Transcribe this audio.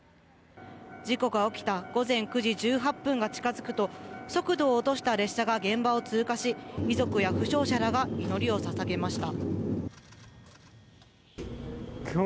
事故が起きた午前９時１８分が近づくと、速度を落とした列車が現場を通過し遺族や負傷者らが祈りを捧げました。